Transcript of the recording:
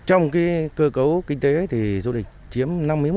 trong cơ cấu kinh tế thì du lịch chiếm năm mươi một